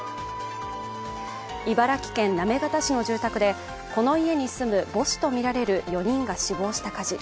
茨城県行方市の住宅でこの家に住む母子と見られる４人が死亡した火事。